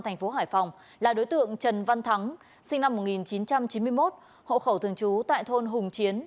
thành phố hải phòng là đối tượng trần văn thắng sinh năm một nghìn chín trăm chín mươi một hộ khẩu thường trú tại thôn hùng chiến